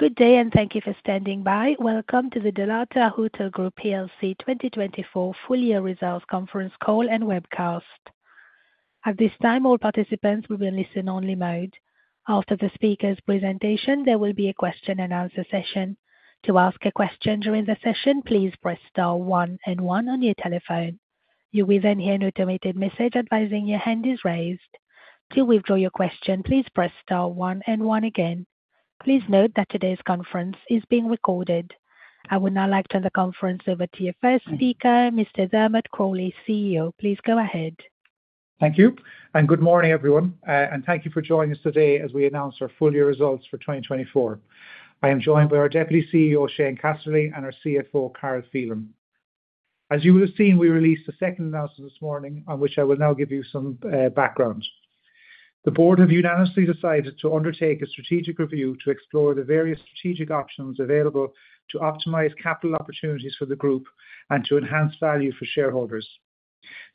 Good day, and thank you for standing by. Welcome to the Dalata Hotel Group 2024 full-year results conference call and webcast. At this time, all participants will be in listen-only mode. After the speaker's presentation, there will be a question-and-answer session. To ask a question during the session, please press star one and one on your telephone. You will then hear an automated message advising your hand is raised. To withdraw your question, please press star one and one again. Please note that today's conference is being recorded. I would now like to turn the conference over to your first speaker, Mr. Dermot Crowley, CEO. Please go ahead. Thank you, and good morning, everyone. Thank you for joining us today as we announce our full-year results for 2024. I am joined by our Deputy CEO, Shane Casserly, and our CFO, Carl Phelan. As you will have seen, we released a second announcement this morning on which I will now give you some background. The board have unanimously decided to undertake a strategic review to explore the various strategic options available to optimize capital opportunities for the group and to enhance value for shareholders.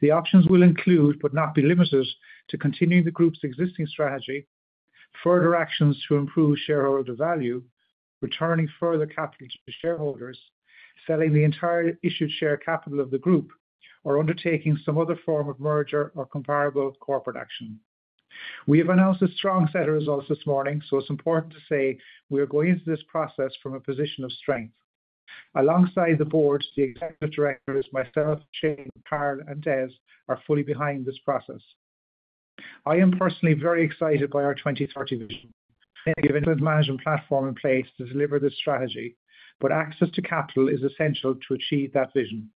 The options will include, but not be limited to, continuing the group's existing strategy, further actions to improve shareholder value, returning further capital to shareholders, selling the entire issued share capital of the group, or undertaking some other form of merger or comparable corporate action. We have announced a strong set of results this morning, so it's important to say we are going into this process from a position of strength. Alongside the board, the executive directors, myself, Shane, Carl, and Tess are fully behind this process. I am personally very excited by our 2030 vision. We have an investment management platform in place to deliver this strategy, but access to capital is essential to achieve that vision.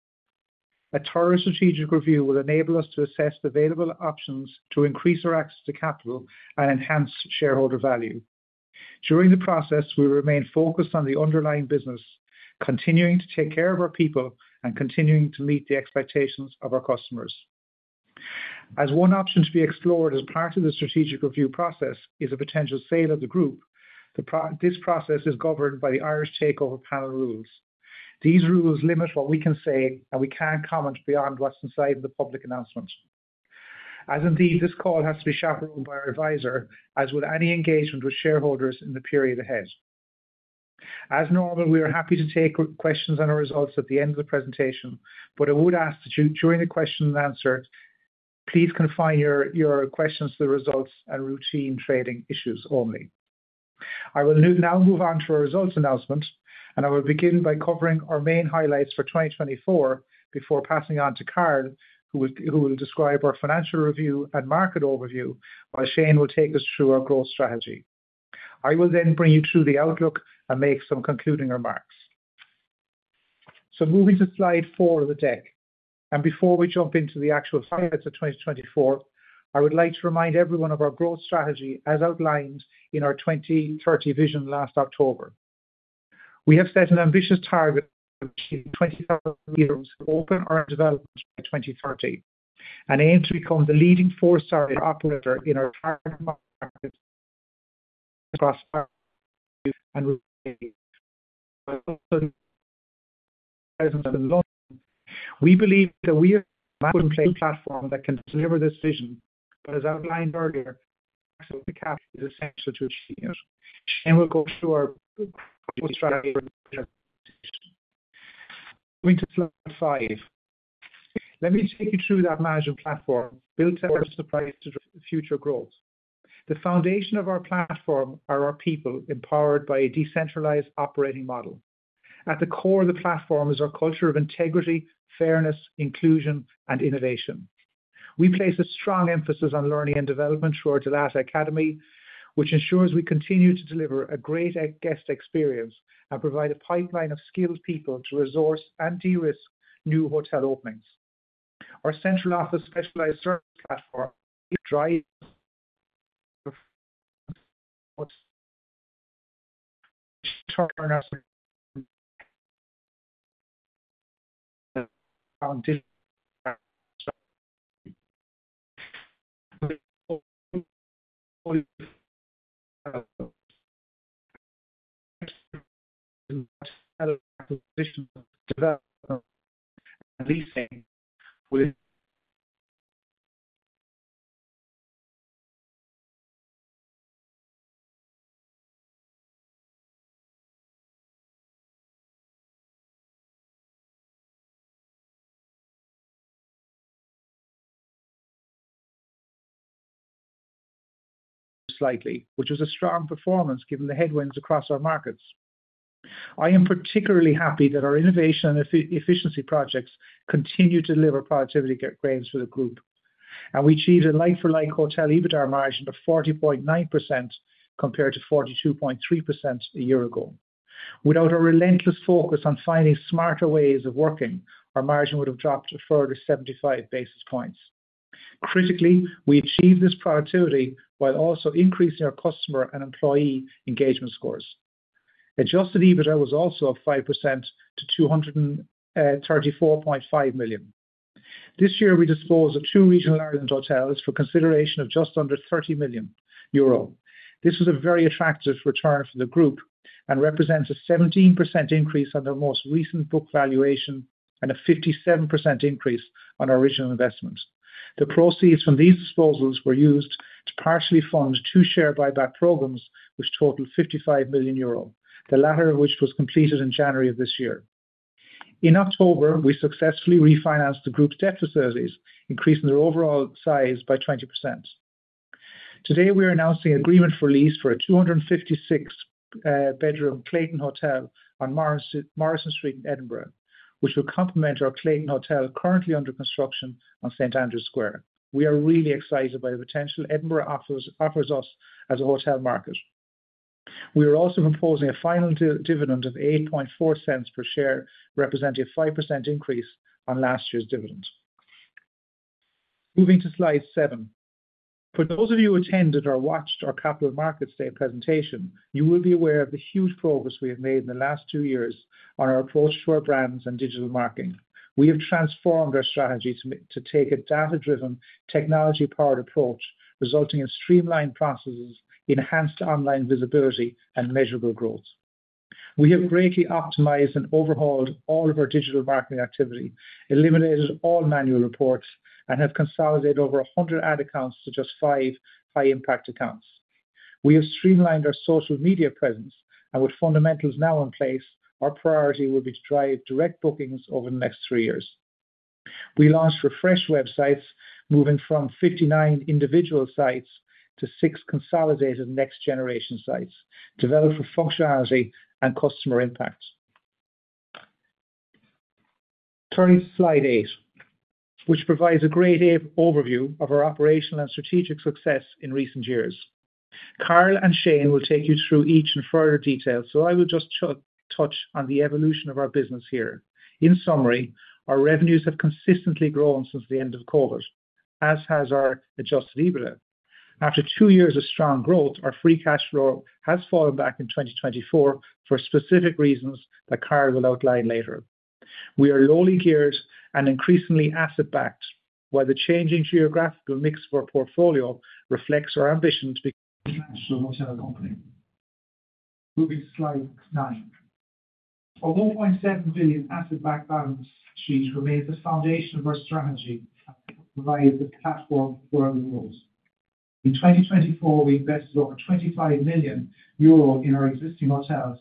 A thorough strategic review will enable us to assess the available options to increase our access to capital and enhance shareholder value. During the process, we will remain focused on the underlying business, continuing to take care of our people, and continuing to meet the expectations of our customers. As one option to be explored as part of the strategic review process is a potential sale of the group, this process is governed by the Irish Takeover Panel rules. These rules limit what we can say and we cannot comment beyond what is inside the public announcement. As indeed, this call has to be chaperoned by our advisor, as with any engagement with shareholders in the period ahead. As normal, we are happy to take questions on our results at the end of the presentation, but I would ask that during the question and answer, please confine your questions to the results and routine trading issues only. I will now move on to our results announcement, and I will begin by covering our main highlights for 2024 before passing on to Carl, who will describe our financial review and market overview, while Shane will take us through our growth strategy. I will then bring you through the outlook and make some concluding remarks. Moving to slide four of the deck. Before we jump into the actual highlights of 2024, I would like to remind everyone of our growth strategy as outlined in our 2030 vision last October. We have set an ambitious target of achieving 20,000 euros to open our development by 2030 and aim to become the leading four-star operator in our target market across Ireland and the U.K. We believe that we are a market-based platform that can deliver this vision, but as outlined earlier, capital is essential to achieve it. Shane will go through our growth strategy for 2024. Moving to slide five. Let me take you through that management platform built to our surprise to future growth. The foundation of our platform are our people empowered by a decentralized operating model. At the core of the platform is our culture of integrity, fairness, inclusion, and innovation. We place a strong emphasis on learning and development through our Dalata Academy, which ensures we continue to deliver a great guest experience and provide a pipeline of skilled people to resource and de-risk new hotel openings. Our central office specialized service platform drives slightly, which was a strong performance given the headwinds across our markets. I am particularly happy that our innovation and efficiency projects continue to deliver productivity gains for the group. We achieved a like-for-like hotel EBITDA margin of 40.9% compared to 42.3% a year ago. Without a relentless focus on finding smarter ways of working, our margin would have dropped a further 75 basis points. Critically, we achieved this productivity while also increasing our customer and employee engagement scores. Adjusted EBITDA was also up 5% to 234.5 million. This year, we disposed of two regional Ireland hotels for consideration of just under 30 million euro. This was a very attractive return for the group and represents a 17% increase on their most recent book valuation and a 57% increase on our original investment. The proceeds from these disposals were used to partially fund two share buyback programs, which totaled 55 million euro, the latter of which was completed in January of this year. In October, we successfully refinanced the group's debt facilities, increasing their overall size by 20%. Today, we are announcing agreement for lease for a 256-bedroom Clayton Hotel on Morrison Street in Edinburgh, which will complement our Clayton Hotel currently under construction on St. Andrew's Square. We are really excited by the potential Edinburgh offers us as a hotel market. We are also proposing a final dividend of $0.084 per share, representing a 5% increase on last year's dividend. Moving to slide seven. For those of you who attended or watched our capital markets day presentation, you will be aware of the huge progress we have made in the last two years on our approach to our brands and digital marketing. We have transformed our strategy to take a data-driven, technology-powered approach, resulting in streamlined processes, enhanced online visibility, and measurable growth. We have greatly optimized and overhauled all of our digital marketing activity, eliminated all manual reports, and have consolidated over 100 ad accounts to just five high-impact accounts. We have streamlined our social media presence, and with fundamentals now in place, our priority will be to drive direct bookings over the next three years. We launched refreshed websites, moving from 59 individual sites to six consolidated next-generation sites developed for functionality and customer impact. Turning to slide eight, which provides a great overview of our operational and strategic success in recent years. Carl and Shane will take you through each in further detail, so I will just touch on the evolution of our business here. In summary, our revenues have consistently grown since the end of COVID, as has our adjusted EBITDA. After two years of strong growth, our free cash flow has fallen back in 2024 for specific reasons that Carl will outline later. We are lowly geared and increasingly asset-backed, while the changing geographical mix of our portfolio reflects our ambition to become a financial multinational company. Moving to slide nine. Our 1.7 billion asset-backed balance sheet remains the foundation of our strategy and provides the platform for our goals. In 2024, we invested over 25 million euro in our existing hotels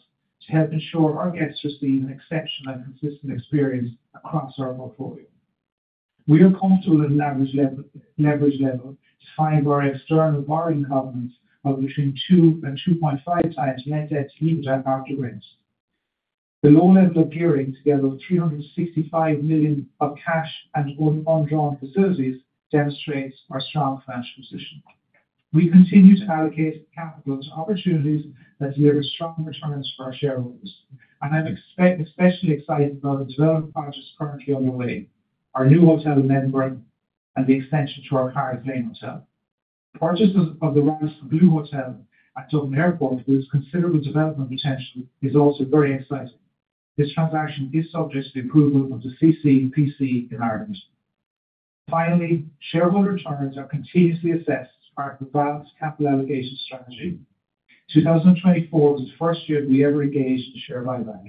to help ensure our guests receive an exceptional and consistent experience across our portfolio. We are comfortable at an average level to find our external bargaining components of between 2-2.5 times net debt to EBITDA after grants. The low level of gearing together with 365 million of cash and undrawn facilities demonstrates our strong financial position. We continue to allocate capital to opportunities that deliver strong returns for our shareholders. I am especially excited about the development projects currently underway, our new hotel in Edinburgh, and the extension to our current hotel. Purchase of the Radisson Blu Hotel at Dublin Airport with its considerable development potential is also very exciting. This transaction is subject to the approval of the CCPC in Ireland. Finally, shareholder returns are continuously assessed as part of the balanced capital allocation strategy. 2024 was the first year we ever engaged in share buyback.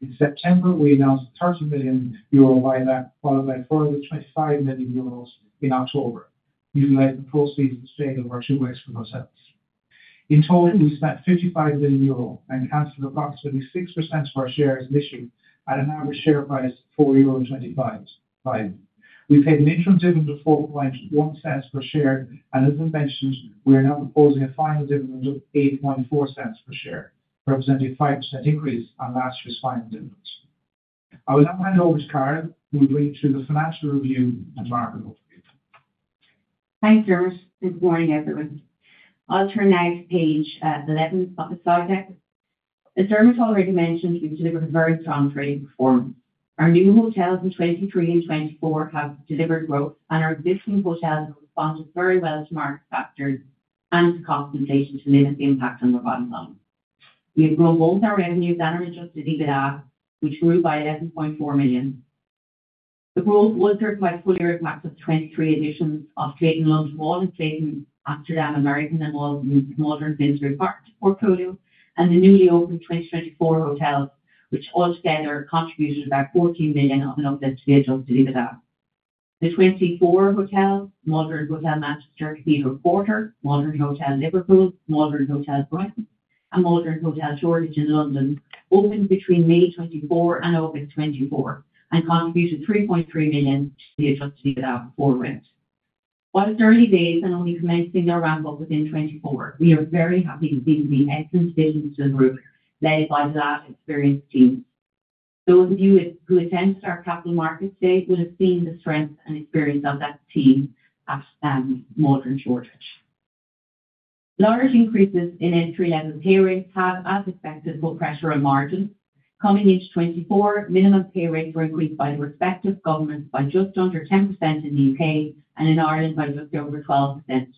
In September, we announced a 30 million euro buyback followed by a further 25 million euros in October, utilizing proceeds obtained over our two weeks with ourselves. In total, we spent 55 million euro and canceled approximately 6% of our shares in issue at an average share price of 4.25 euro. We paid an interim dividend of 0.041 per share, and as I mentioned, we are now proposing a final dividend of 0.084 per share, representing a 5% increase on last year's final dividend. I will now hand over to Carl, who will bring you through the financial review and market overview. Thank you, good morning, everyone. I'll turn next page at the let me start that. As Dermot already mentioned, we've delivered a very strong trading performance. Our new hotels in 2023 and 2024 have delivered growth, and our existing hotels have responded very well to market factors and to compensation to limit the impact on the bottom line. We have grown both our revenues and our adjusted EBITDA, which grew by 11.4 million. The growth was driven by fully earmarked of 2023 additions of Clayton London Wall, Clayton Amsterdam American, and Maldron Manchester City, and the newly opened 2024 hotels, which altogether contributed about 14 million on an uplift to the adjusted EBITDA. The 24 hotels, Modern Hotel Manchester, Cathedral Quarter, Modern Hotel Liverpool, Modern Hotel Brent, and Modern Hotel Shoreditch in London, opened between May 2024 and August 2024 and contributed 3.3 million to the adjusted EBITDA before rent. While it's early days and only commencing our ramp-up within 2024, we are very happy to be the excellent additions to the group led by the experienced teams. Those of you who attended our capital markets day will have seen the strength and experience of that team at Modern Shoreditch. Large increases in entry-level pay rates have, as expected, put pressure on margins. Coming into 2024, minimum pay rates were increased by the respective governments by just under 10% in the U.K. and in Ireland by just over 12%.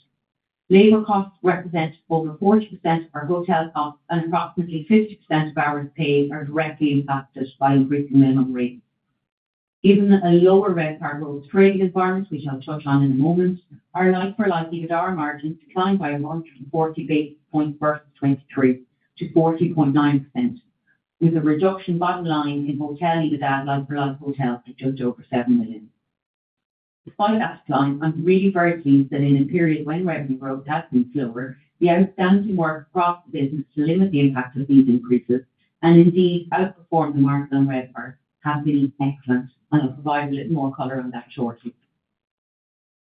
Labor costs represent over 40% of our hotel costs, and approximately 50% of our pay are directly impacted by increasing minimum rates. Even a lower rate for our growth trading environment, which I'll touch on in a moment, our like-for-like EBITDA margins declined by 140 basis points versus 2023 to 40.9%, with a reduction bottom line in hotel EBITDA like-for-like hotels by just over 7 million. Despite that decline, I'm really very pleased that in a period when revenue growth has been slower, the outstanding work across the business to limit the impact of these increases and indeed outperform the margin on rate growth has been excellent, and I'll provide a bit more color on that shortly.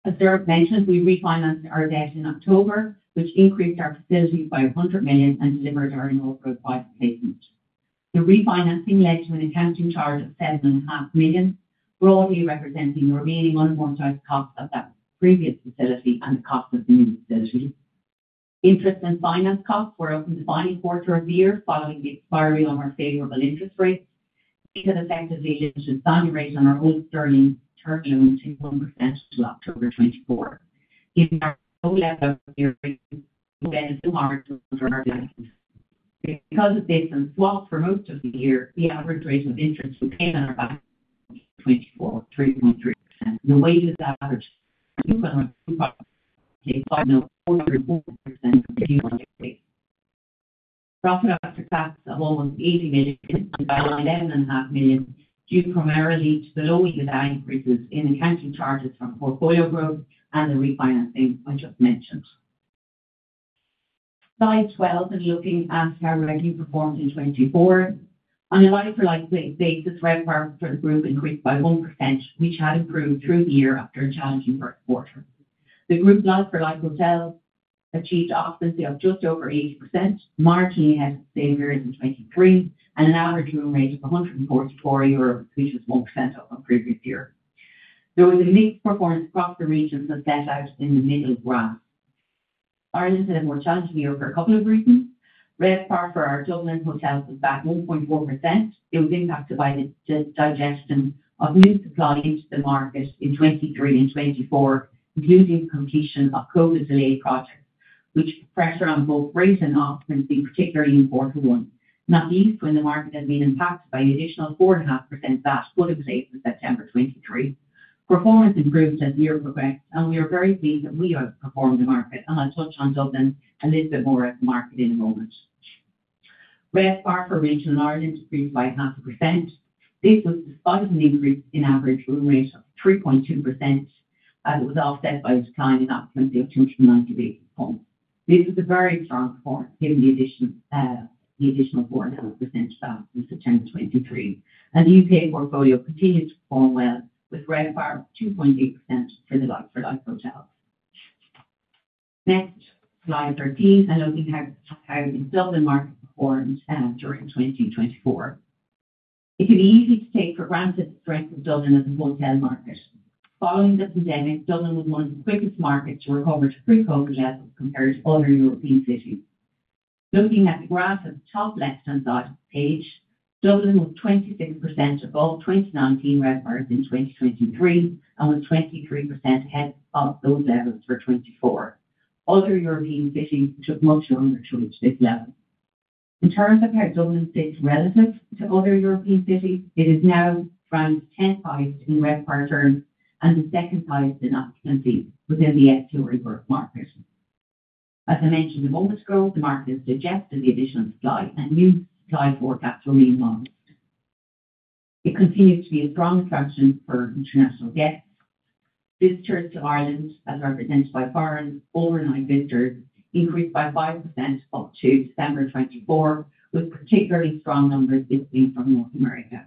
As Dermot mentioned, we refinanced our debt in October, which increased our facility by 100 million and delivered our North Road 5 placement. The refinancing led to an accounting charge of 7.5 million, broadly representing the remaining unworn-out costs of that previous facility and the cost of the new facility. Interest and finance costs were up in the final quarter of the year following the expiry of our favorable interest rates. We had effectively lifted the value rate on our old sterling term loan to 1% until October 2024. In our low-level gearing, we've edited the margins under our license. Because of this and swaps for most of the year, the average rate of interest we paid on our balance sheet in 2024 was 3.3%. The wages average are due on our new property today, but now 44% due on the new estate. Profit after tax of almost 80 million and by now 11.5 million due primarily to the low EBITDA increases in accounting charges from portfolio growth and the refinancing I just mentioned. Slide 12 and looking at how revenue performed in 2024. On a like-for-like basis, rent margin for the group increased by 1%, which had improved through the year after a challenging first quarter. The group's like-for-like hotels achieved occupancy of just over 80%, marginally ahead of the same period in 2023, and an average room rate of 144, which was 1% up from previous year. There was a mixed performance across the regions that is set out in the middle graph. Ireland had a more challenging year for a couple of reasons. RevPAR for our Dublin hotels was back 1.4%. It was impacted by the digestion of new supply into the market in 2023 and 2024, including the completion of COVID-delayed projects, which put pressure on both rates and occupancy, particularly in quarter one. Not least when the market had been impacted by an additional 4.5% VAT put in place in September 2023. Performance improved as the year progressed, and we are very pleased that we outperformed the market, and I'll touch on Dublin a little bit more at the market in a moment. RevPAR for regional Ireland decreased by 0.5%. This was despite an increase in average room rate of 3.2%, as it was offset by a decline in occupancy of 290 basis points. This was a very strong performance given the additional 4.5% VAT in September 2023. The U.K. portfolio continued to perform well, with RevPAR of 2.8% for the like-for-like hotels. Next, slide 13, and looking at how the Dublin market performed during 2024. It can be easy to take for granted the strength of Dublin as a hotel market. Following the pandemic, Dublin was one of the quickest markets to recover to pre-COVID levels compared to other European cities. Looking at the graph at the top left-hand side of the page, Dublin was 26% above 2019 RevPARs in 2023 and was 23% ahead of those levels for 2024. Other European cities took much longer to reach this level. In terms of how Dublin sits relative to other European cities, it is now ranked 10th highest in RevPAR terms and the second highest in occupancy within the STR reported market. As I mentioned a moment ago, the market has digested the additional supply and new supply forecasts remain modest. It continues to be a strong attraction for international guests. Visitors to Ireland, as represented by foreign overnight visitors, increased by 5% up to December 2024, with particularly strong numbers visiting from North America.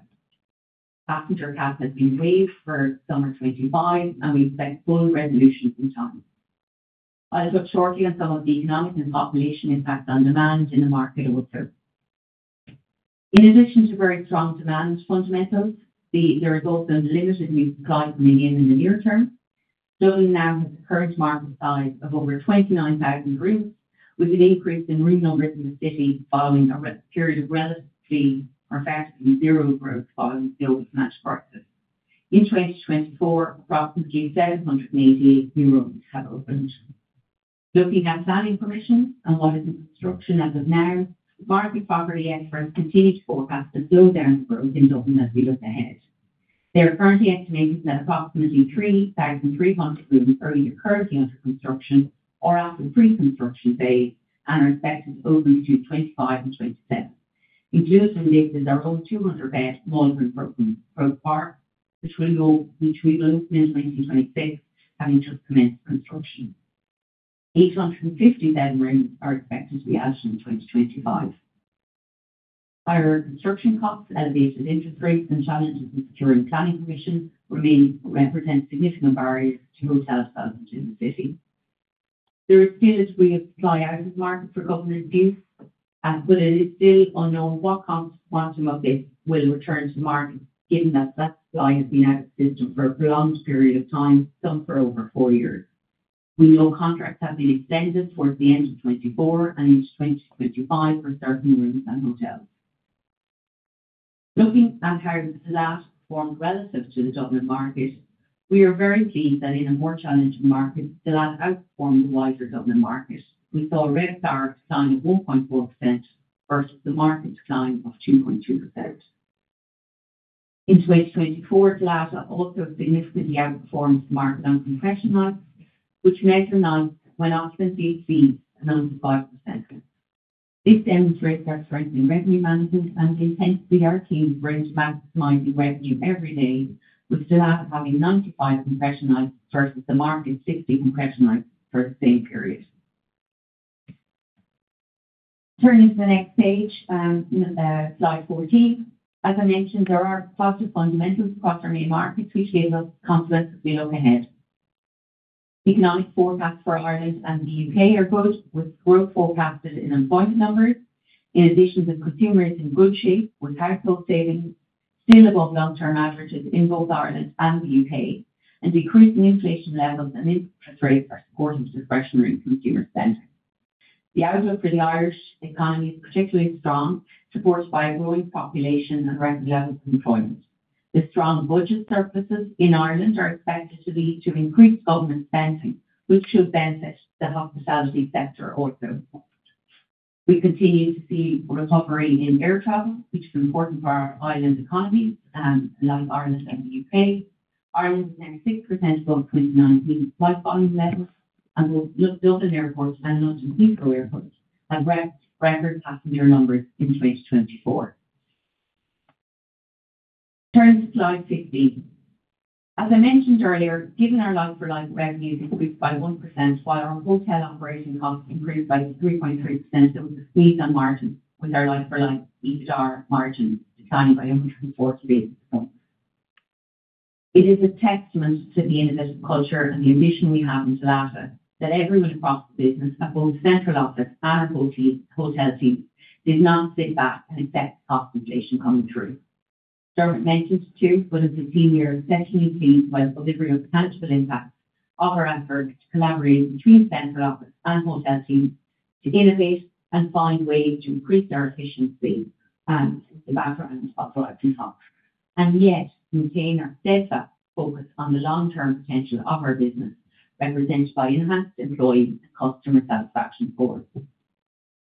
Passenger cap has been waived for summer 2025, and we expect full resolution in time. I'll touch shortly on some of the economic and population impact on demand in the market overall. In addition to very strong demand fundamentals, there is also limited new supply coming in in the near term. Dublin now has a current market size of over 29,000 rooms, with an increase in room numbers in the city following a period of relatively or effectively zero growth following the old financial crisis. In 2024, approximately 788 new rooms have opened. Looking at planning permissions and what is in construction as of now, market property experts continue to forecast a slowdown in growth in Dublin as we look ahead. They are currently estimating that approximately 3,300 rooms are in the currently under construction or after pre-construction phase and are expected to open between 2025 and 2027. Included in this is our old 200-bed Modern property, which we will open in 2026, having just commenced construction. 850 bedrooms are expected to be added in 2025. Higher construction costs, elevated interest rates, and challenges in securing planning permissions represent significant barriers to hotel development in the city. There is still a degree of supply out of the market for government use, but it is still unknown what comps will return to the market, given that that supply has been out of the system for a prolonged period of time, some for over four years. We know contracts have been extended towards the end of 2024 and into 2025 for certain rooms and hotels. Looking at how Dalata performed relative to the Dublin market, we are very pleased that in a more challenging market, Dalata outperformed the wider Dublin market. We saw a RevPAR decline of 1.4% versus the market decline of 2.2%. In 2024, Dalata also significantly outperformed the market on compression nights, which meant the nights when occupancy exceeds 95%. This demonstrates our strength in revenue management and the intensity our team brings maximizing revenue every day, with Dalata having 95 compression nights versus the market's 60 compression nights for the same period. Turning to the next page, slide 14, as I mentioned, there are positive fundamentals across our main markets, which gives us confidence as we look ahead. Economic forecasts for Ireland and the U.K. are good, with growth forecasted in employment numbers, in addition to consumers in good shape, with household savings still above long-term averages in both Ireland and the U.K., and decreasing inflation levels and interest rates are supporting discretionary consumer spending. The outlook for the Irish economy is particularly strong, supported by a growing population and record levels of employment. The strong budget surpluses in Ireland are expected to lead to increased government spending, which should benefit the hospitality sector also. We continue to see recovery in air travel, which is important for our Ireland economy and like Ireland and the U.K. Ireland is at 6% above 2019 like volume levels, and both Dublin Airport and London Heathrow Airport have record passenger numbers in 2024. Turning to slide 15. As I mentioned earlier, given our like-for-like revenues increased by 1%, while our hotel operating costs increased by 3.3%, there was a squeeze on margins with our like-for-like EBITDA margin declining by 140 basis points. It is a testament to the innovative culture and the ambition we have in Dalata that everyone across the business, at both central office and at both hotel teams, did not sit back and accept the cost inflation coming through. Dermot mentioned too, but as a senior and session C, while delivering a tangible impact of our effort to collaborate between central office and hotel teams to innovate and find ways to increase our efficiency and the background of the like-for-like talk, and yet maintain our setup focused on the long-term potential of our business, represented by enhanced employee and customer satisfaction scores.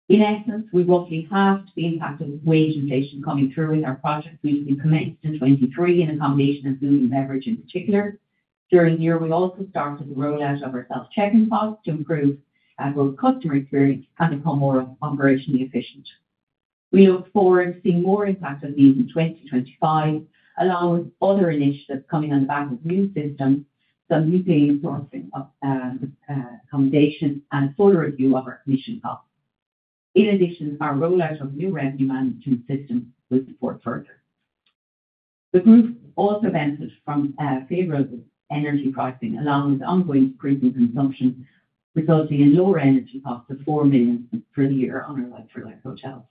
In essence, we roughly halved the impact of wage inflation coming through in our project, which we commenced in 2023 in accommodation and food and beverage in particular. During the year, we also started the rollout of our self-check-in pods to improve both customer experience and become more operationally efficient. We look forward to seeing more impact of these in 2025, along with other initiatives coming on the back of new systems, some U.K. sourcing of accommodation, and a full review of our commission costs. In addition, our rollout of new revenue management systems will support further. The group also benefited from favorable energy pricing, along with ongoing decreasing consumption, resulting in lower energy costs of 4 million for the year on our like-for-like hotels.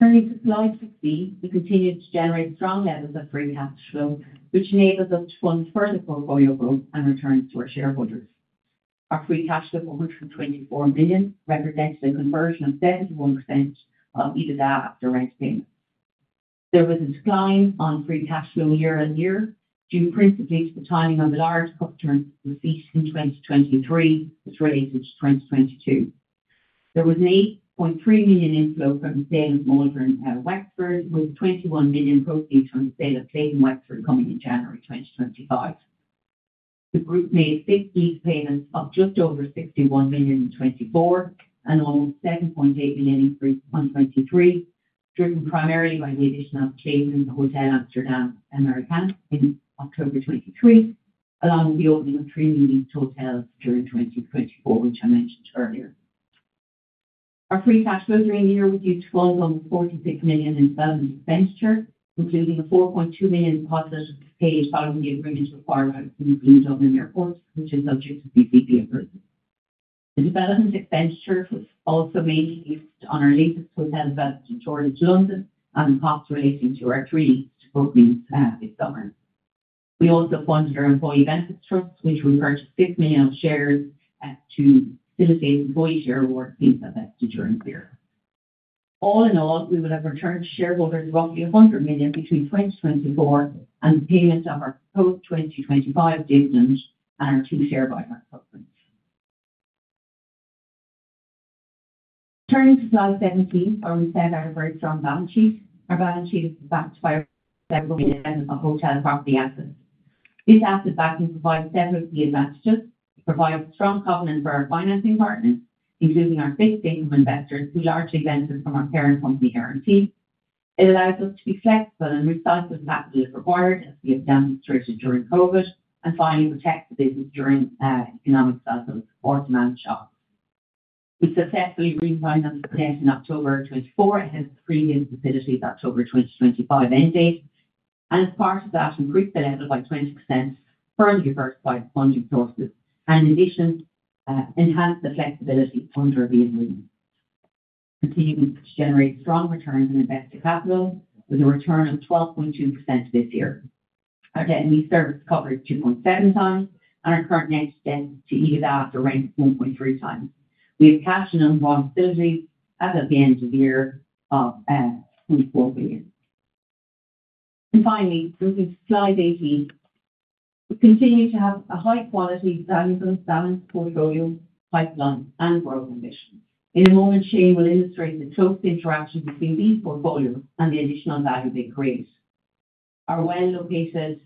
Turning to slide 16, we continue to generate strong levels of free cash flow, which enables us to fund further portfolio growth and returns to our shareholders. Our free cash flow of 124 million represents a conversion of 71% of EBITDA after rent payments. There was a decline on free cash flow year on year due principally to the timing of the large upturn receipts in 2023, which related to 2022. There was an 8.3 million inflow from the sale of Modern Wexford, with 21 million proceeds from the sale of Clayton Wexford coming in January 2025. The group made six lease payments of just over 61 million in 2024 and almost 7.8 million increase in 2023, driven primarily by the addition of Clayton Hotel Amsterdam American in October 2023, along with the opening of three new leased hotels during 2024, which I mentioned earlier. Our free cash flow during the year was used to fund almost 46 million in development expenditure, including a 4.2 million deposit paid following the agreement to acquire by the Dublin Airport, which is subject to CCPC approval. The development expenditure was also mainly used on our latest hotel developed in George's London and the costs relating to our three leased properties this summer. We also funded our employee benefits trust, which we purchased 6 million of shares to facilitate employee share awards being conducted during the year. All in all, we will have returned to shareholders roughly 100 million between 2024 and the payment of our proposed 2025 dividends and our two share buyback companies. Turning to slide 17, we set out a very strong balance sheet. Our balance sheet is backed by our several million of hotel property assets. This asset backing provides several key advantages. It provides strong covenants for our financing partners, including our fixed income investors who largely benefit from our parent company guarantee. It allows us to be flexible and recycle the capital if required, as we have demonstrated during COVID, and finally protect the business during economic cycles or demand shocks. We successfully refinanced the net in October 2024 ahead of the previous facility's October 2025 end date, and as part of that, increased the level by 20% for diversified funding sources and, in addition, enhanced the flexibility under re-improvement, continuing to generate strong returns and investor capital with a return of 12.2% this year. Our debt and lease service coverage is 2.7 times, and our current net debt to EBITDA after rent is 1.3 times. We have cash and unwalled facilities as of the end of the year of EUR 24 million. Finally, moving to slide 18, we continue to have a high-quality value-based balance portfolio, pipeline, and growth ambition. In a moment, Shane will illustrate the close interaction between these portfolios and the additional value they create. Our well-located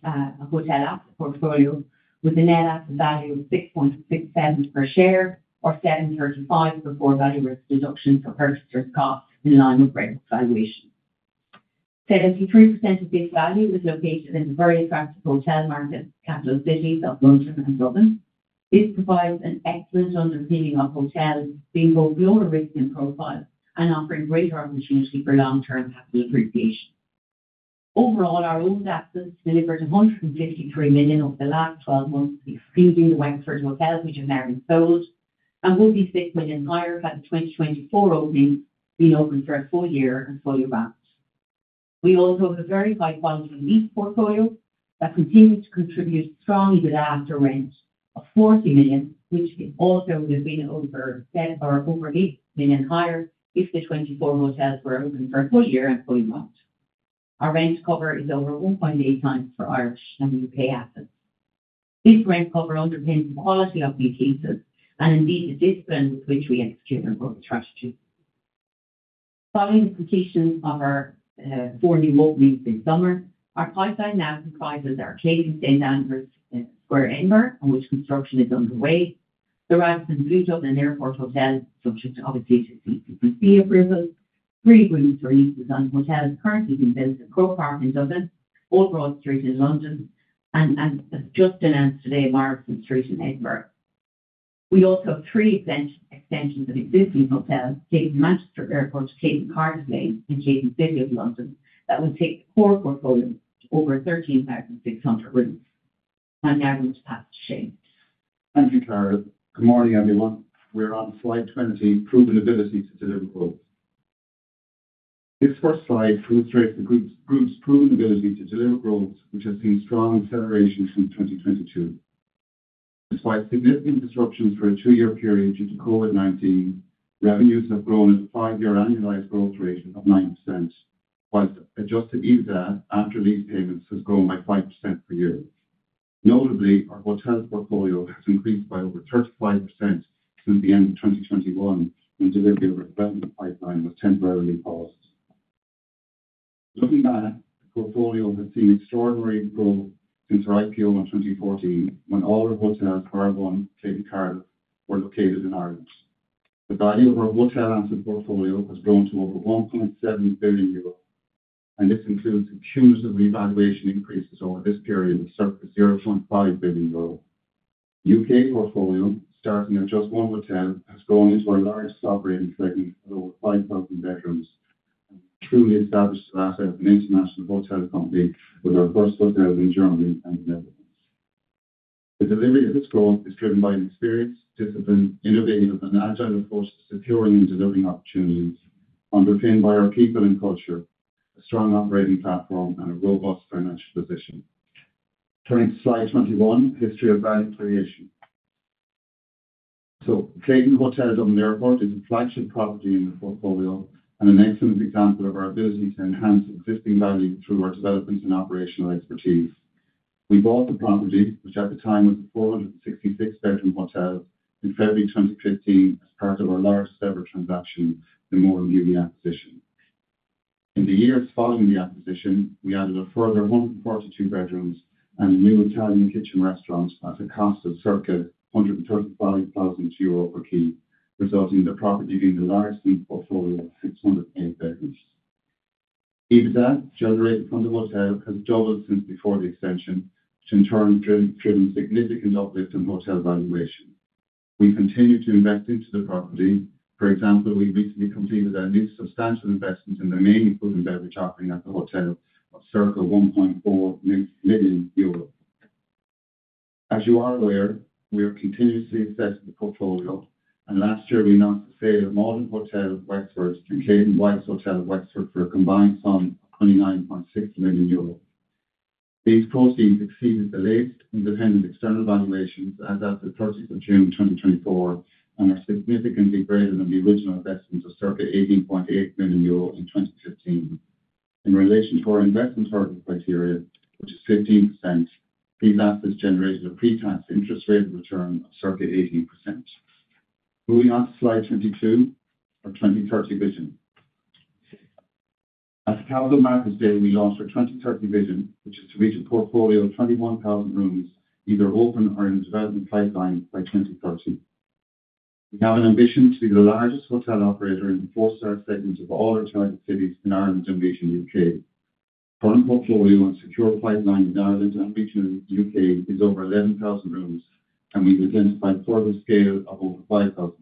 hotel asset portfolio with a net asset value of 6.67 per share or 7.35 before value risk deduction for purchasers' costs in line with rate of valuation. 73% of this value is located in the very attractive hotel markets, capital cities of London and Dublin. This provides an excellent underpinning of hotels being both lower risk in profile and offering greater opportunity for long-term capital appreciation. Overall, our old assets delivered 153 million over the last 12 months, excluding the Wexford hotels, which have now been sold, and will be 6 million higher by the 2024 opening being opened for a full year and full year balance. We also have a very high-quality lease portfolio that continues to contribute strongly to the after rent of 40 million, which also would have been over 8 million higher if the 24 hotels were opened for a full year and full year balance. Our rent cover is over 1.8 times for Irish and U.K. assets. This rent cover underpins the quality of these leases and indeed the discipline with which we execute our growth strategy. Following the completion of our four new openings this summer, our pipeline now comprises our Clayton St. Andrew's Square Edinburgh, on which construction is underway, the Radisson Blu Dublin Airport Hotel, subject obviously to CCPC approval, three rooms for leases and hotels currently being built at Crowe Park in Dublin, Old Broad Street in London, and as just announced today, Marathon Street in Edinburgh. We also have three extensions of existing hotels, Clayton Manchester Airport, Clayton Cardiff Lane, and Clayton City of London that will take the core portfolio to over 13,600 rooms. Now we must pass to Shane. Thank you, Clara. Good morning, everyone. We are on slide 20, Proven Ability to Deliver Growth. This first slide illustrates the group's proven ability to deliver growth, which has seen strong acceleration since 2022. Despite significant disruptions for a two-year period due to COVID-19, revenues have grown at a five-year annualized growth rate of 9%, while adjusted EBITDA after lease payments has grown by 5% per year. Notably, our hotel portfolio has increased by over 35% since the end of 2021 when delivery of our development pipeline was temporarily paused. Looking back, the portfolio has seen extraordinary growth since our IPO in 2014 when all our hotels, Caravon, Clayton, Cardiff, were located in Ireland. The value of our hotel asset portfolio has grown to over 1.7 billion euros, and this includes cumulative revaluation increases over this period of circa 0.5 billion euros. The U.K. portfolio, starting at just one hotel, has grown into a large sub-region segment with over 5,000 bedrooms and truly established Dalata as an international hotel company with our first hotels in Germany and the Netherlands. The delivery of this growth is driven by an experienced, disciplined, innovative, and agile approach to securing and delivering opportunities, underpinned by our people and culture, a strong operating platform, and a robust financial position. Turning to slide 21, History of Value Creation. Clayton Hotel Dublin Airport is a flagship property in the portfolio and an excellent example of our ability to enhance existing value through our development and operational expertise. We bought the property, which at the time was a 466-bedroom hotel, in February 2015 as part of our large Sever transaction in Moran Bewley acquisition. In the years following the acquisition, we added a further 142 bedrooms and a new Italian Kitchen restaurant at a cost of circa 135,000 euro per key, resulting in the property being the largest in the portfolio at 608 bedrooms. EBITDA generated from the hotel has doubled since before the extension, which in turn has driven significant uplift in hotel valuation. We continue to invest into the property. For example, we recently completed a new substantial investment in the main food and beverage offering at the hotel of circa 1.4 million euros. As you are aware, we are continuously assessing the portfolio, and last year we announced the sale of Modern Hotel Wexford and Clayton White's Hotel Wexford for a combined sum of 29.6 million euros. These proceeds exceeded the latest independent external valuations as of the 30th of June 2024 and are significantly greater than the original investment of circa 18.8 million euro in 2015. In relation to our investment target criteria, which is 15%, these assets generated a pre-tax interest rate of return of circa 18%. Moving on to slide 22, our 2030 vision. At the capital markets day, we launched our 2030 vision, which is to reach a portfolio of 21,000 rooms, either open or in a development pipeline by 2030. We have an ambition to be the largest hotel operator in the four-star segment of all our target cities in Ireland and regional U.K. Our current portfolio and secure pipeline in Ireland and regional U.K. is over 11,000 rooms, and we've identified further scale of over 5,000 rooms.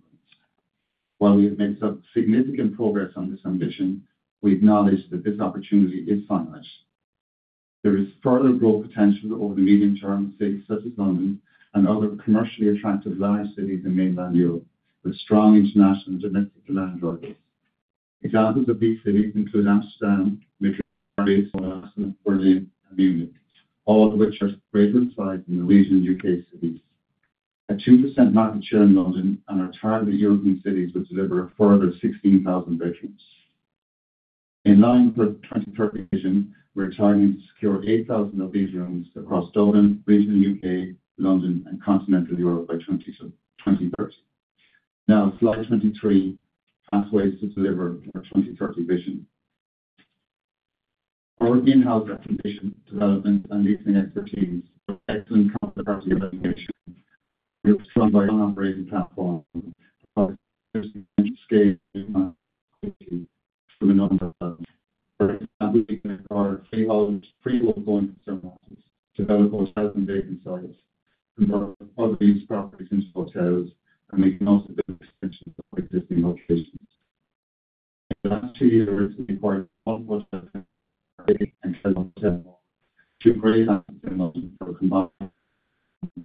While we have made significant progress on this ambition, we acknowledge that this opportunity is finite. There is further growth potential over the medium term in cities such as London and other commercially attractive large cities in mainland Europe with strong international and domestic demand drivers. Examples of these cities include Amsterdam, Madrid, Paris, Barcelona, Berlin, and Munich, all of which are greater in size than the regional U.K. cities. At 2% market share in London and our target European cities would deliver a further 16,000 bedrooms. In line with our 2030 vision, we're targeting to secure 8,000 of these rooms across Dublin, regional U.K., London, and continental Europe by 2030. Now, slide 23, Pathways to Deliver our 2030 vision. Our in-house acquisition, development, and leasing expertise are excellent counterparty evaluation. We are strong by our operating platform, but there's an entry scale to a number of. For example, we can acquire pre-owned and external assets, develop our southern vacant sites, convert other used properties into hotels, and make multiple extensions of existing locations. In the last two years, we acquired multiple hotels and travel hotels. Two great asset developments that are combined over the last 20 years have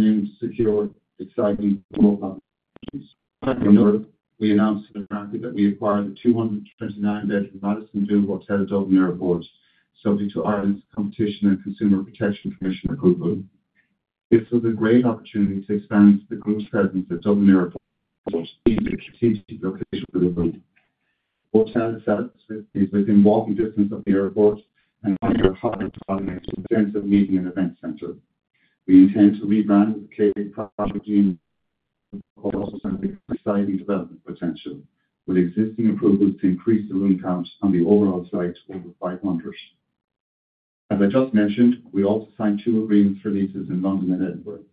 in capital. Recently, we signed two further agreements for leases in London and Edinburgh, which I will turn to now. Moving to slide 24, continuing to secure exciting growth opportunities. In November, we announced to the market that we acquired the 229-bedroom Radisson Blu Hotel Dublin Airport, subject to Ireland's Competition and Consumer Protection Commission approval. This was a great opportunity to expand the group's presence at Dublin Airport and to continue to locate delivery. The hotel itself is within walking distance of the airport and under high valuation in terms of meeting and event center. We intend to rebrand the Clayton property and also something exciting development potential with existing approvals to increase the room count on the overall site over 500. As I just mentioned, we also signed two agreements for leases in London and Edinburgh.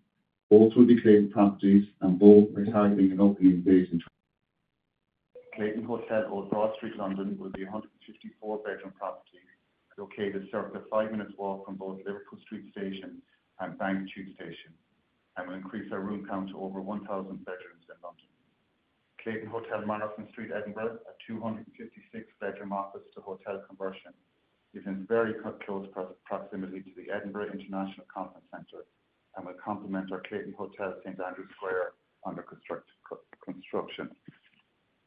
Both will be Clayton properties, and both are targeting an opening date in 2024. Clayton Hotel on Broad Street, London, will be a 154-bedroom property located circa five minutes walk from both Liverpool Street Station and Bank Tube Station and will increase our room count to over 1,000 bedrooms in London. Clayton Hotel Marathon Street, Edinburgh, a 256-bedroom office to hotel conversion, is in very close proximity to the Edinburgh International Conference Center and will complement our Clayton Hotel St. Andrew's Square under construction.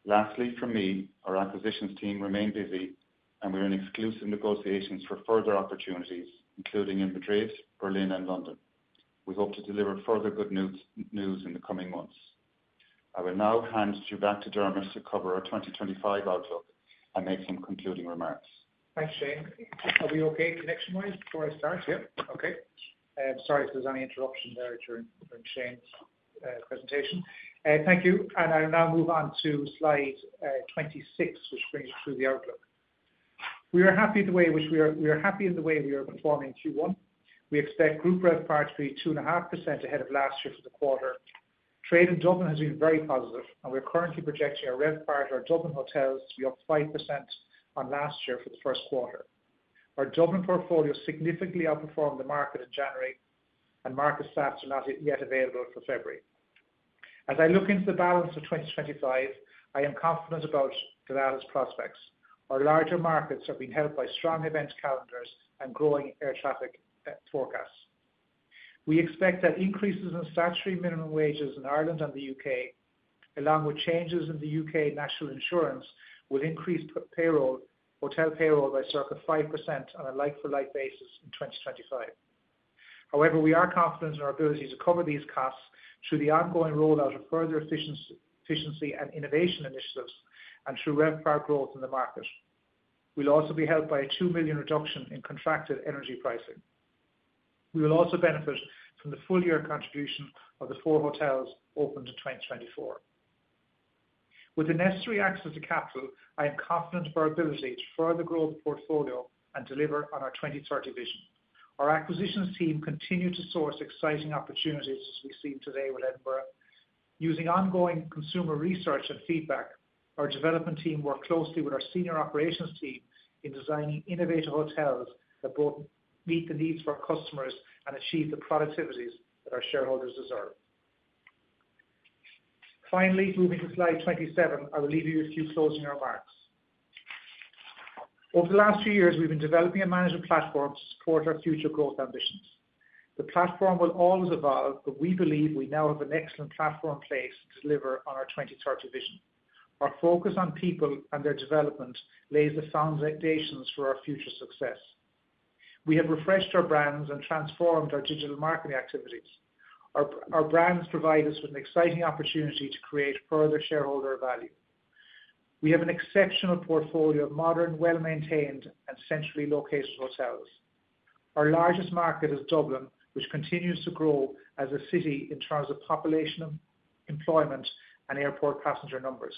Lastly, for me, our acquisitions team remains busy, and we're in exclusive negotiations for further opportunities, including in Madrid, Berlin, and London. We hope to deliver further good news in the coming months. I will now hand you back to Dermot to cover our 2025 outlook and make some concluding remarks. Thanks, Shane. Are we okay connection-wise before I start? Yep. Okay. Sorry if there's any interruption there during Shane's presentation. Thank you. I will now move on to slide 26, which brings us to the outlook. We are happy in the way in which we are performing in Q1. We expect group RevPAR to be 2.5% ahead of last year for the quarter. Trade in Dublin has been very positive, and we are currently projecting our RevPAR to our Dublin hotels to be up 5% on last year for the first quarter. Our Dublin portfolio significantly outperformed the market in January, and market stats are not yet available for February. As I look into the balance of 2025, I am confident about the latest prospects. Our larger markets are being helped by strong event calendars and growing air traffic forecasts. We expect that increases in statutory minimum wages in Ireland and the U.K., along with changes in the U.K. national insurance, will increase hotel payroll by circa 5% on a like-for-like basis in 2025. However, we are confident in our ability to cover these costs through the ongoing rollout of further efficiency and innovation initiatives and through RevPAR growth in the market. We'll also be helped by a 2 million reduction in contracted energy pricing. We will also benefit from the full year contribution of the four hotels opened in 2024. With the necessary access to capital, I am confident of our ability to further grow the portfolio and deliver on our 2030 vision. Our acquisitions team continues to source exciting opportunities as we've seen today with Edinburgh. Using ongoing consumer research and feedback, our development team works closely with our senior operations team in designing innovative hotels that both meet the needs for our customers and achieve the productivities that our shareholders deserve. Finally, moving to slide 27, I will leave you a few closing remarks. Over the last few years, we've been developing and managing platforms to support our future growth ambitions. The platform will always evolve, but we believe we now have an excellent platform in place to deliver on our 2030 vision. Our focus on people and their development lays the foundations for our future success. We have refreshed our brands and transformed our digital marketing activities. Our brands provide us with an exciting opportunity to create further shareholder value. We have an exceptional portfolio of modern, well-maintained, and centrally located hotels. Our largest market is Dublin, which continues to grow as a city in terms of population, employment, and airport passenger numbers.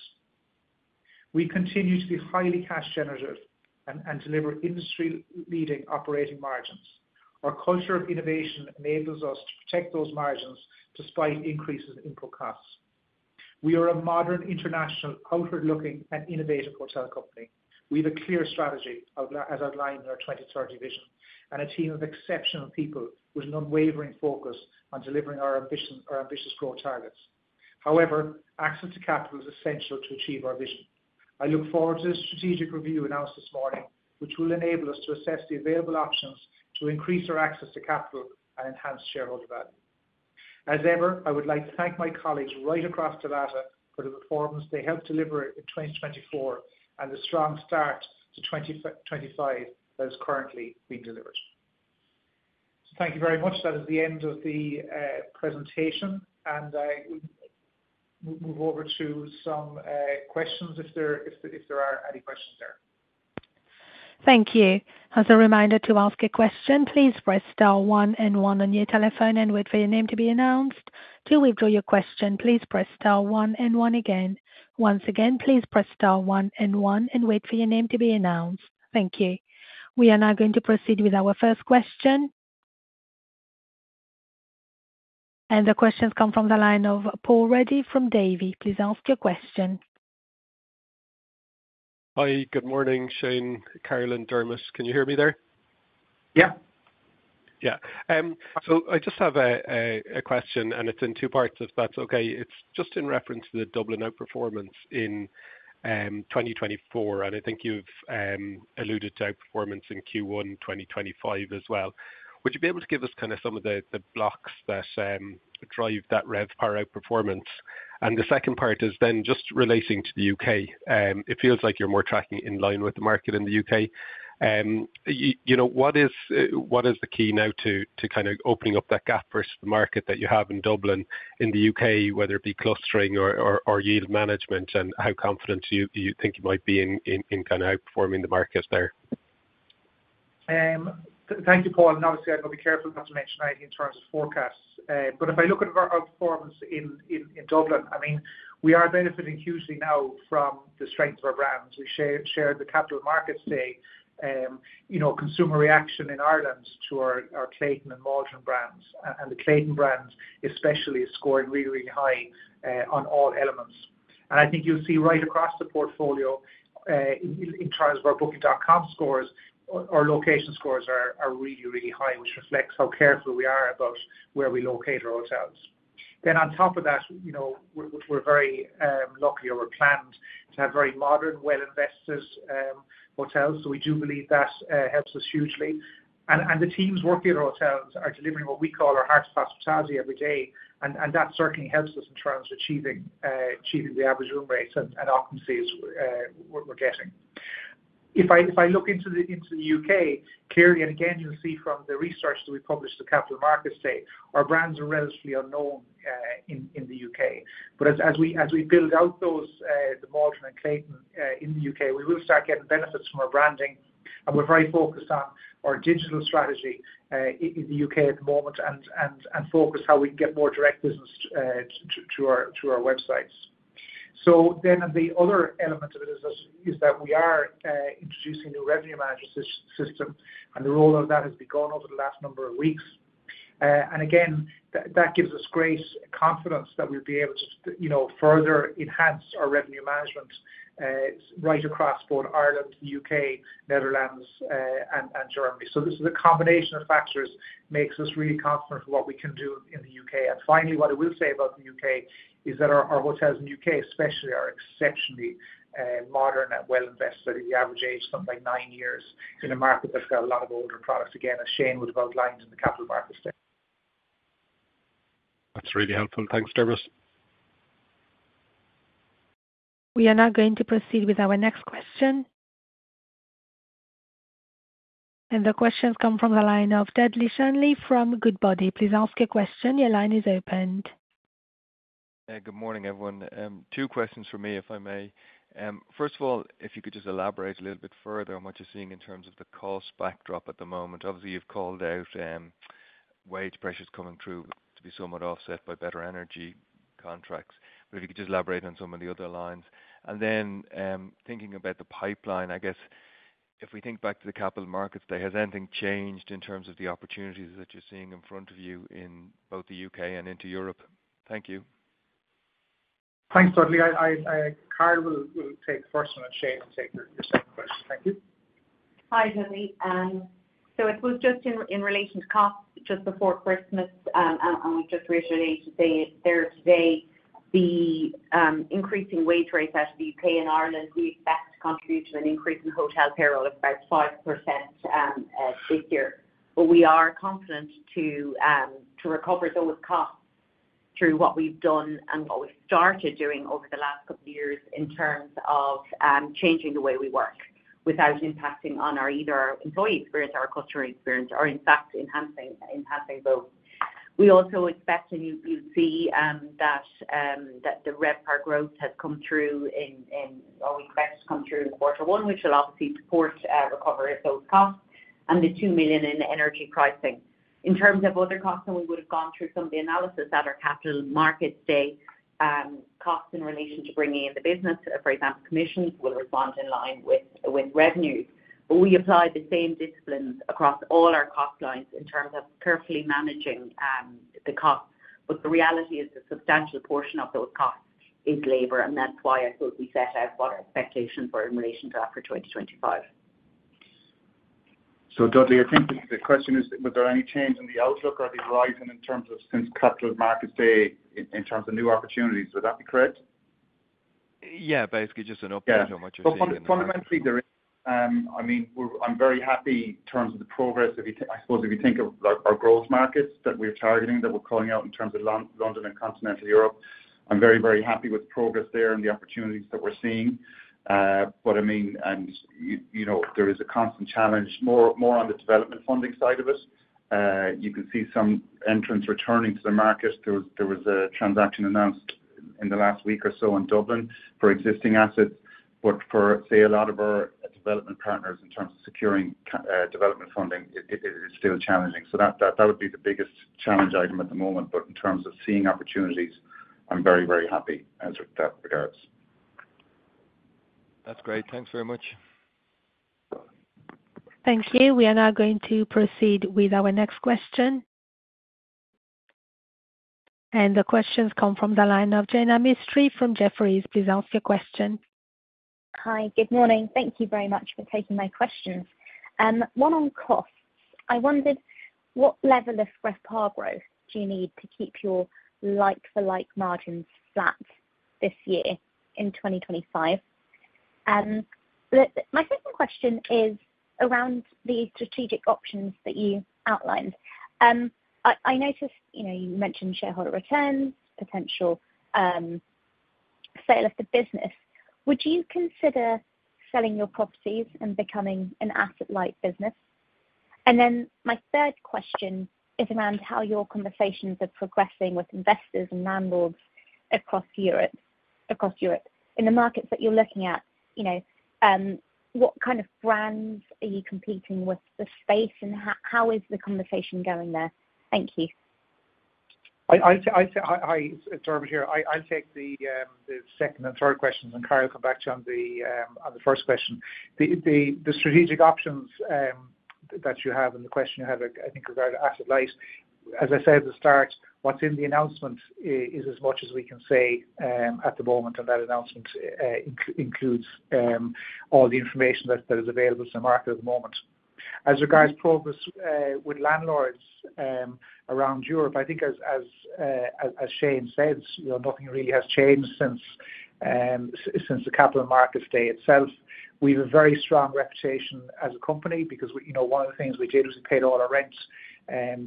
We continue to be highly cash-generative and deliver industry-leading operating margins. Our culture of innovation enables us to protect those margins despite increases in input costs. We are a modern, international, outward-looking, and innovative hotel company. We have a clear strategy, as outlined in our 2030 vision, and a team of exceptional people with an unwavering focus on delivering our ambitious growth targets. However, access to capital is essential to achieve our vision. I look forward to the strategic review announced this morning, which will enable us to assess the available options to increase our access to capital and enhance shareholder value. As ever, I would like to thank my colleagues right across Dalata for the performance they helped deliver in 2024 and the strong start to 2025 that is currently being delivered. Thank you very much. That is the end of the presentation, and I will move over to some questions if there are any questions there. Thank you. As a reminder to ask a question, please press star one and one on your telephone and wait for your name to be announced. To withdraw your question, please press star one and one again. Once again, please press star one and one and wait for your name to be announced. Thank you. We are now going to proceed with our first question. The questions come from the line of Paul Reddy from Davy. Please ask your question. Hi. Good morning, Shane, Carol, Dermot. Can you hear me there? Yeah. Yeah. I just have a question, and it's in two parts if that's okay. It's just in reference to the Dublin outperformance in 2024, and I think you've alluded to outperformance in Q1 2025 as well. Would you be able to give us kind of some of the blocks that drive that RevPAR outperformance? The second part is then just relating to the U.K. It feels like you're more tracking in line with the market in the U.K. What is the key now to kind of opening up that gap versus the market that you have in Dublin in the U.K., whether it be clustering or yield management, and how confident do you think you might be in kind of outperforming the market there? Thank you, Paul. Obviously, I'm going to be careful not to mention anything in terms of forecasts. If I look at our outperformance in Dublin, I mean, we are benefiting hugely now from the strength of our brands. We share the capital markets today. Consumer reaction in Ireland to our Clayton and Maldron brands, and the Clayton brand especially, is scoring really, really high on all elements. I think you'll see right across the portfolio in terms of our Booking.com scores, our location scores are really, really high, which reflects how careful we are about where we locate our hotels. On top of that, we're very lucky or we're planned to have very modern, well-invested hotels, so we do believe that helps us hugely. The teams working at our hotels are delivering what we call our heart of hospitality every day, and that certainly helps us in terms of achieving the average room rates and occupancies we're getting. If I look into the U.K., clearly, and again, you'll see from the research that we published in the Capital Markets today, our brands are relatively unknown in the U.K. As we build out the Maldron and Clayton in the U.K., we will start getting benefits from our branding, and we're very focused on our digital strategy in the U.K. at the moment and focus on how we can get more direct business to our websites. The other element of it is that we are introducing a new revenue management system, and the roll-out of that has begun over the last number of weeks. Again, that gives us great confidence that we'll be able to further enhance our revenue management right across both Ireland, the U.K., Netherlands, and Germany. This is a combination of factors that makes us really confident in what we can do in the U.K. Finally, what I will say about the U.K. is that our hotels in the U.K. especially are exceptionally modern and well-invested. The average age is something like nine years in a market that's got a lot of older products. Again, as Shane would have outlined in the Capital Markets today. That's really helpful. Thanks, Dermot. We are now going to proceed with our next question. The questions come from the line of Dudley Shanley from Goodbody. Please ask your question. Your line is opened. Good morning, everyone. Two questions for me, if I may. First of all, if you could just elaborate a little bit further on what you're seeing in terms of the cost backdrop at the moment. Obviously, you've called out wage pressures coming through to be somewhat offset by better energy contracts. If you could just elaborate on some of the other lines. Thinking about the pipeline, I guess, if we think back to the Capital Markets today, has anything changed in terms of the opportunities that you're seeing in front of you in both the U.K. and into Europe? Thank you. Thanks, Dudley. I will take first, and then Shane will take your second question. Thank you. Hi, Dudley. It was just in relation to costs just before Christmas, and we've just reiterated today the increasing wage rates out of the U.K. and Ireland, we expect to contribute to an increase in hotel payroll of about 5% this year. We are confident to recover those costs through what we've done and what we've started doing over the last couple of years in terms of changing the way we work without impacting on either our employee experience or our customer experience or, in fact, enhancing both. We also expect, and you'll see, that the RevPAR growth has come through, or we expect it to come through in quarter one, which will obviously support recovery of those costs and the 2 million in energy pricing. In terms of other costs, and we would have gone through some of the analysis at our Capital Markets Day, costs in relation to bringing in the business, for example, commissions will respond in line with revenues. We apply the same disciplines across all our cost lines in terms of carefully managing the costs. The reality is a substantial portion of those costs is labor, and that's why I thought we set out what our expectations were in relation to that for 2025. Dudley, I think the question is, was there any change in the outlook or the horizon in terms of since Capital Markets today in terms of new opportunities? Would that be correct? Yeah, basically just an update on what you're seeing in there. Fundamentally, there is. I mean, I'm very happy in terms of the progress, I suppose, if you think of our growth markets that we're targeting that we're calling out in terms of London and continental Europe. I'm very, very happy with the progress there and the opportunities that we're seeing. I mean, there is a constant challenge more on the development funding side of it. You can see some entrants returning to the market. There was a transaction announced in the last week or so in Dublin for existing assets. For, say, a lot of our development partners in terms of securing development funding, it's still challenging. That would be the biggest challenge item at the moment. In terms of seeing opportunities, I'm very, very happy asit regards. That's great. Thanks very much. Thank you. We are now going to proceed with our next question. The questions come from the line of Jane Amistry from Jefferies. Please ask your question. Hi. Good morning. Thank you very much for taking my questions. One on costs. I wondered what level of RevPAR growth do you need to keep your like-for-like margins flat this year in 2025? My second question is around the strategic options that you outlined. I noticed you mentioned shareholder returns, potential sale of the business. Would you consider selling your properties and becoming an asset-like business? My third question is around how your conversations are progressing with investors and landlords across Europe in the markets that you're looking at. What kind of brands are you competing with in the space, and how is the conversation going there? Thank you. Hi, it's Dermot here. I'll take the second and third questions, and Carol, come back to you on the first question. The strategic options that you have and the question you had, I think, regarding asset-like, as I said at the start, what's in the announcement is as much as we can say at the moment, and that announcement includes all the information that is available to the market at the moment. As regards progress with landlords around Europe, I think, as Shane said, nothing really has changed since the Capital Markets Day itself. We have a very strong reputation as a company because one of the things we did was we paid all our rents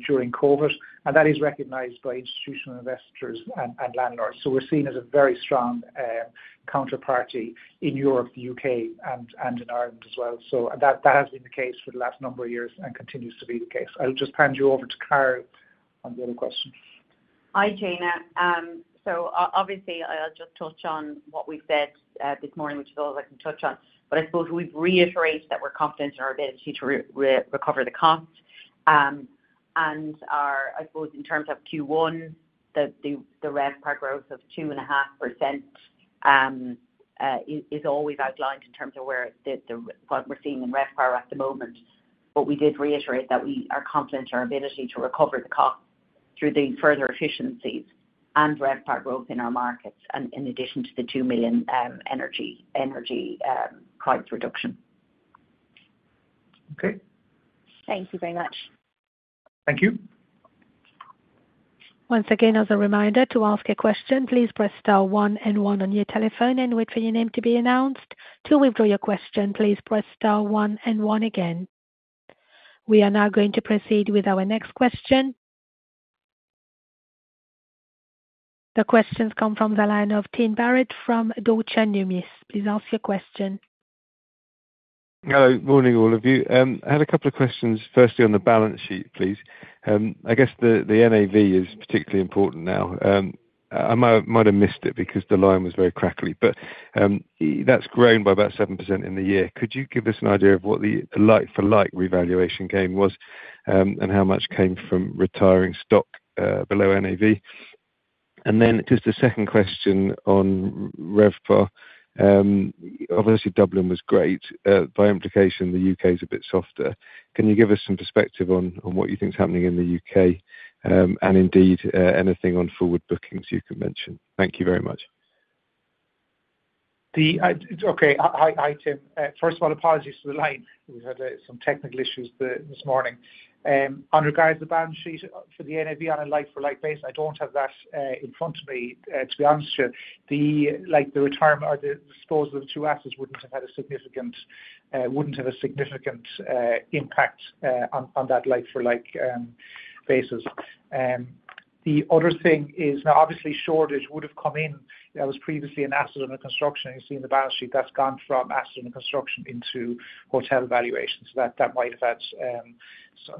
during COVID, and that is recognized by institutional investors and landlords. We are seen as a very strong counterparty in Europe, the U.K., and in Ireland as well. That has been the case for the last number of years and continues to be the case. I'll just hand you over to Carol on the other question. Hi, Jane. Obviously, I'll just touch on what we've said this morning, which is all I can touch on. I suppose we've reiterated that we're confident in our ability to recover the costs. I suppose in terms of Q1, the RevPAR growth of 2.5% is always outlined in terms of what we're seeing in RevPAR at the moment. We did reiterate that we are confident in our ability to recover the costs through the further efficiencies and RevPAR growth in our markets in addition to the 2 million energy price reduction. Okay. Thank you very much. Thank you. Once again, as a reminder to ask a question, please press star one and one on your telephone and wait for your name to be announced. To withdraw your question, please press star one and one again. We are now going to proceed with our next question. The questions come from the line of Tim Barrett from Deutsche Numis. Please ask your question. Hello. Morning, all of you. I had a couple of questions, firstly on the balance sheet, please. I guess the NAV is particularly important now. I might have missed it because the line was very crackly, but that's grown by about 7% in the year. Could you give us an idea of what the like-for-like revaluation gain was and how much came from retiring stock below NAV? Just a second question on RevPAR. Obviously, Dublin was great. By implication, the U.K. is a bit softer. Can you give us some perspective on what you think is happening in the U.K. and indeed anything on forward bookings you can mention? Thank you very much. Okay. Hi, Tim. First of all, apologies for the line. We've had some technical issues this morning. In regards to the balance sheet for the NAV on a like-for-like basis, I don't have that in front of me. To be honest with you, the retirement or the disposal of the two assets wouldn't have had a significant impact on that like-for-like basis. The other thing is, now, obviously, Shoreditch would have come in. That was previously an asset under construction. You see in the balance sheet, that's gone from asset under construction into hotel valuations. That might have had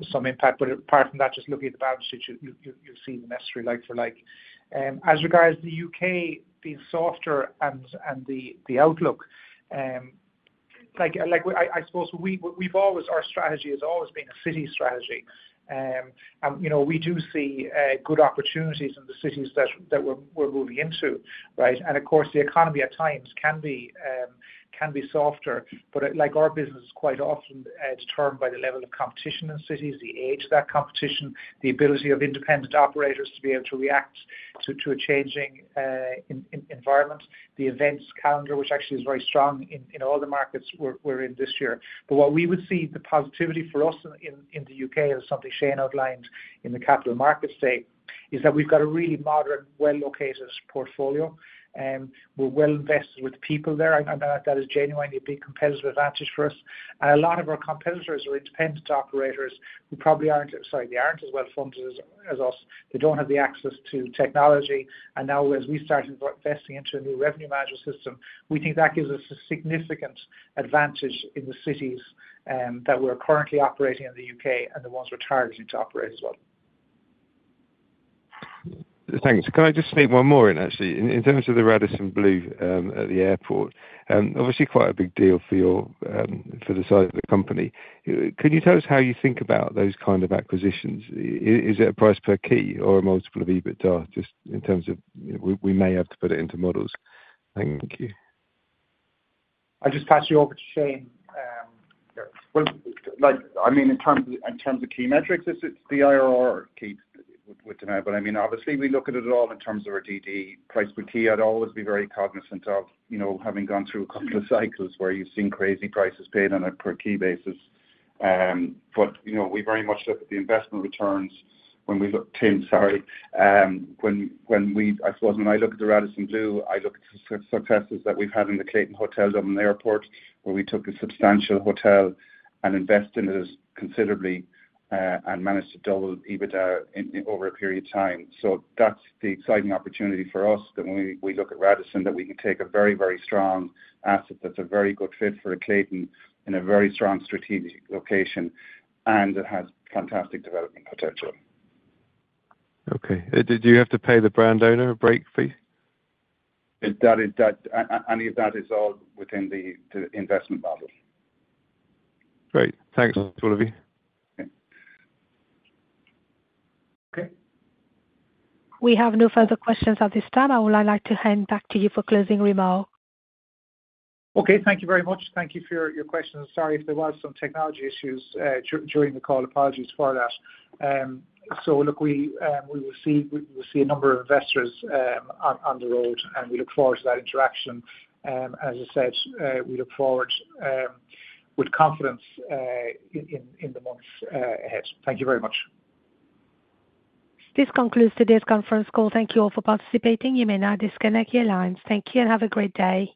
some impact. Apart from that, just looking at the balance sheet, you'll see the necessary like-for-like. As regards to the U.K. being softer and the outlook, I suppose our strategy has always been a city strategy. We do see good opportunities in the cities that we're moving into, right? Of course, the economy at times can be softer. Our business is quite often determined by the level of competition in cities, the age of that competition, the ability of independent operators to be able to react to a changing environment, the events calendar, which actually is very strong in all the markets we're in this year. What we would see, the positivity for us in the U.K., and something Shane outlined in the Capital Markets today, is that we've got a really modern, well-located portfolio. We're well invested with people there, and that is genuinely a big competitive advantage for us. A lot of our competitors are independent operators who probably aren't—sorry, they aren't as well-funded as us. They don't have the access to technology. Now, as we start investing into a new revenue management system, we think that gives us a significant advantage in the cities that we're currently operating in the U.K. and the ones we're targeting to operate as well. Thanks. Can I just sneak one more in, actually? In terms of the Radisson Blu at the airport, obviously quite a big deal for the size of the company. Could you tell us how you think about those kinds of acquisitions? Is it a price per key or a multiple of EBITDA just in terms of we may have to put it into models? Thank you. I'll just pass you over to Shane. I mean, in terms of key metrics, it's the IRR key with Dalata. I mean, obviously, we look at it all in terms of our DD price per key. I'd always be very cognizant of having gone through a couple of cycles where you've seen crazy prices paid on a per key basis. We very much look at the investment returns when we look—Tim, sorry. When I look at the Radisson Blu, I look at the successes that we've had in the Clayton Hotel Dublin Airport, where we took a substantial hotel and invested in it considerably and managed to double EBITDA over a period of time. That is the exciting opportunity for us that when we look at Radisson, that we can take a very, very strong asset that's a very good fit for a Clayton in a very strong strategic location, and it has fantastic development potential. Okay. Do you have to pay the brand owner a break fee? That is all within the investment model. Great. Thanks, all of you. Okay. We have no further questions at this time. I would like to hand back to you for closing remarks. Okay. Thank you very much. Thank you for your questions. Sorry if there were some technology issues during the call. Apologies for that. Look, we will see a number of investors on the road, and we look forward to that interaction. As I said, we look forward with confidence in the months ahead. Thank you very much. This concludes today's conference call. Thank you all for participating. You may now disconnect your lines. Thank you and have a great day.